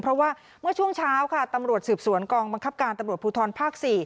เพราะว่าเมื่อช่วงเช้าค่ะตำรวจสืบสวนกองบังคับการตำรวจภูทรภาค๔